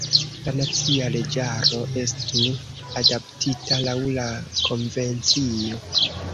La nacia leĝaro estu adaptita laŭ la konvencio.